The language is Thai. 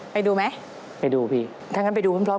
พี่ตูนครับผม